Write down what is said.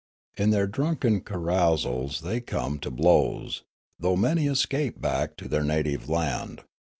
In their drunken carousals they come to blows, though many escape back to their native land.